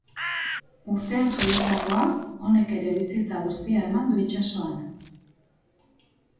Urtean jaiotakoa, honek ere bizitza guztia eman du itsasoan.